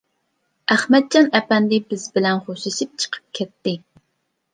ئەخمەتجان ئەپەندى بىز بىلەن خوشلىشىپ چىقىپ كەتتى.